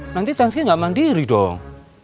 nanti tanski gak mandiri dong